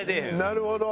なるほど！